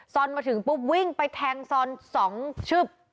อนมาถึงปุ๊บวิ่งไปแทงซอนสองชึบ